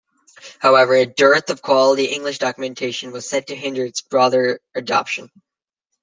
However, a dearth of quality English documentation was said to hinder its broader adoption.